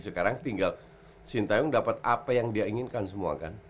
sekarang tinggal sintayong dapat apa yang dia inginkan semua kan